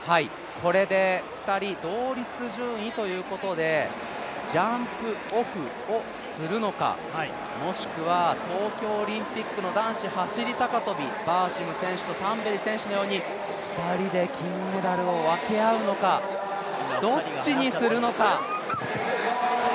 これで２人同率順位ということで、ジャンプオフをするのか、もしくは東京オリンピックの男子走高跳、バーシム選手とタンベリ選手のように２人で金メダルを分け合うのかどっちにするのか。